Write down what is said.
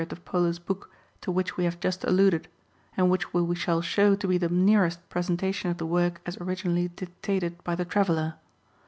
of Polo's Book to which we have just alluded, and which we shall show to be the nearest present ation of the work as originally dictated by the Traveller.